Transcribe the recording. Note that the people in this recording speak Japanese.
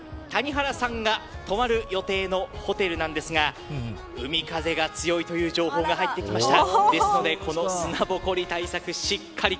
そして、谷原さん谷原さんが泊まる予定のホテルなんですが海風が強いという情報が入ってきました。